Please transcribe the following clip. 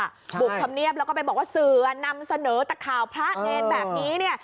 บุกธรรมเนียบแล้วก็ไปบอกว่าสื่อนำเสนอแต่ข่าวพระเนรแบบนี้เนี่ย